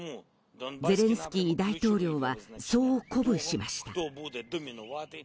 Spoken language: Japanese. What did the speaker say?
ゼレンスキー大統領はそう鼓舞しました。